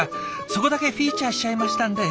そこだけフィーチャーしちゃいましたんで。